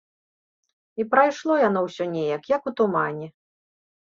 І прайшло яно ўсё неяк, як у тумане.